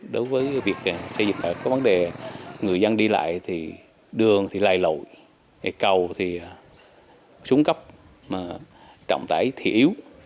đối với việc xây dựng có vấn đề người dân đi lại thì đường thì lầy lội cầu thì xuống cấp trọng tải thì yếu